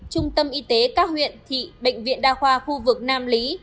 trung tâm y tế các huyện thị bệnh viện đa khoa khu vực nam lý